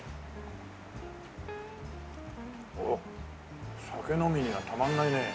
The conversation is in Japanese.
おっ酒飲みにはたまんないね。